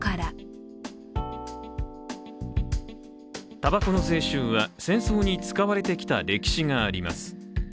たばこの税収は戦争に使われてきた歴史があります。